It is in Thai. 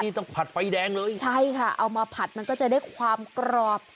มันนี้ต้องผัดไฟแดงเลยเอามาผัดมันก็จะได้ความกรอบ